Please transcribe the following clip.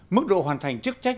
mức độ hoàn thành chức trách